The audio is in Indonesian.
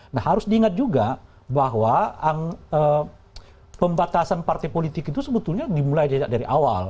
nah harus diingat juga bahwa pembatasan partai politik itu sebetulnya dimulai dari awal